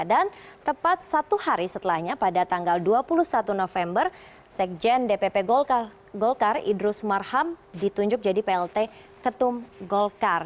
dan tepat satu hari setelahnya pada tanggal dua puluh satu november sekjen dpp golkar idrus marham ditunjuk jadi plt ketum golkar